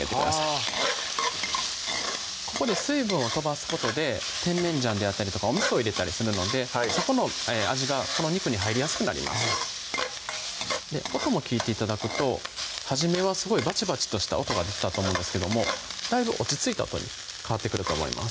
はぁここで水分を飛ばすことで甜麺醤であったりとかお味を入れたりするのでそこの味がこの肉に入りやすくなります音も聞いて頂くと初めはすごいバチバチとした音が出てたと思うんですけどもだいぶ落ち着いた音に変わってくると思います